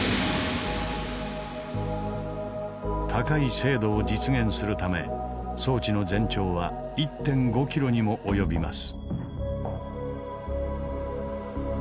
高い精度を実現するため装置の全長は１．５キロにも及びます。